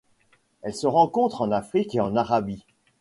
Elle se rencontre en Afrique et en Arabie.